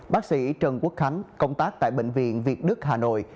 bác sĩ trần quốc khánh công tác tại bệnh viện việt đức hà nội